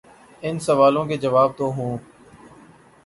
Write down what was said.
ان سوالوں کے جواب تو ہوں۔